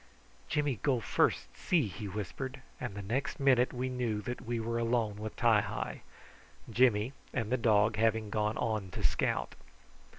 "Jimmy go first see!" he whispered; and the next minute we knew that we were alone with Ti hi, Jimmy and the dog having gone on to scout.